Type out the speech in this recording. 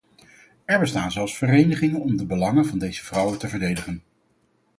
Er bestaan zelfs verenigingen om de belangen van deze vrouwen te verdedigen!